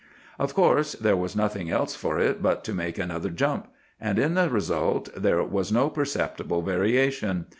"Of course, there was nothing else for it but to make another jump; and in the result there was no perceptible variation.